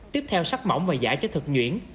tiếp theo sắt mỏng và giả cho thật nhuyễn